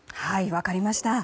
分かりました。